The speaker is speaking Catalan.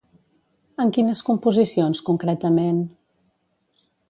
En quines composicions, concretament?